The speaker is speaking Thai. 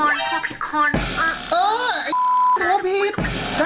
อ้าวโทรพิษคอนโทรพิษคอน